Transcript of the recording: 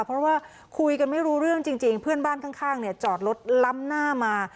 เพราะว่าคุยกันไม่รู้เรื่องจริงเพื่อนบ้านข้างเนี่ยจอดรถล้ำหน้ามา